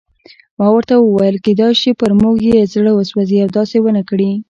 ما ورته وویل: کېدای شي پر موږ یې زړه وسوځي او داسې ونه کړي.